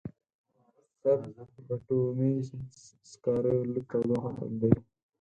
سب بټومینس سکاره لږ تودوخه تولیدوي.